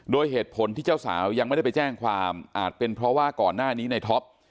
โดยเหตุผลที่เจ้าสาวยังไม่ได้ไปแจ้งความอาจเป็นเพราะว่าก่อนหน้านี้ในท็อป